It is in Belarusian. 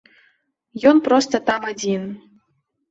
Ён проста там адзін.